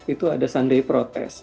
itu ada sunday protes